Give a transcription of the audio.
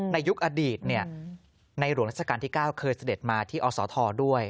ในยุคอดีตในหลวงราชการที่๙เคยเสด็จมาที่อศทด้วย